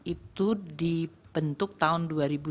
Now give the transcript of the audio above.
itu di bentuk tahun dua ribu dua puluh dua